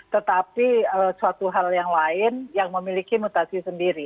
tetapi suatu hal yang lain yang memiliki mutasi sendiri